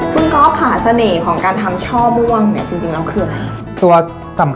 ภูมิกอล์ฟหาเสน่ห์ของการทำช่อบ้วงจริงเราคืออะไร